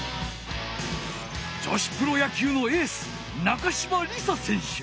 女子プロ野球のエース中島梨紗選手。